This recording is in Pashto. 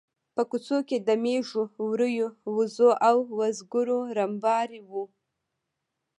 په کوڅو کې د مېږو، وريو، وزو او وزګړو رمبهار و.